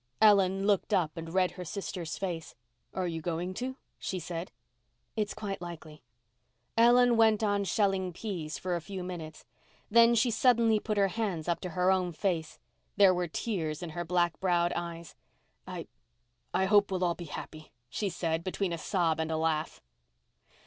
Ellen looked up and read her sister's face. "And you're going to?" she said. "It's quite likely." Ellen went on shelling peas for a few minutes. Then she suddenly put her hands up to her own face. There were tears in her black browed eyes. "I—I hope we'll all be happy," she said between a sob and a laugh.